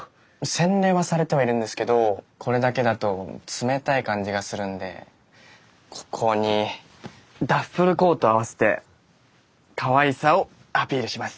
洗練はされてはいるんですけどこれだけだと冷たい感じがするんでここにダッフルコートを合わせてかわいさをアピールします！